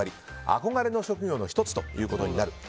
憧れの職業の１つということになる。